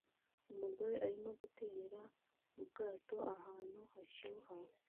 Umugabo arimo guterera mu bwato ahantu hashyuha